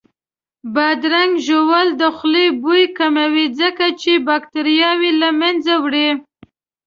بادرنګ ژوول د خولې بوی کموي ځکه چې باکتریاوې له منځه وړي